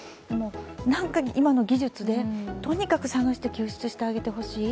何か今の技術で、とにかく捜して救出してほしい。